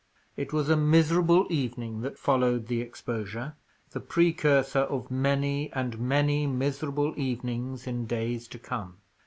It was a miserable evening that followed the exposure; the precursor of many and many miserable evenings in days to come.